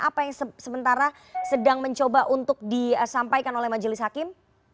apa yang sementara sedang mencoba untuk disampaikan oleh majelis hakim